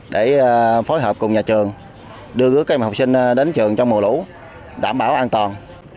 để phối hợp cùng nhà trường đưa các em học sinh đến trường trong mùa lũ đảm bảo an toàn